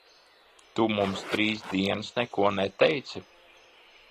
Tu mums trīs dienas neko neteici?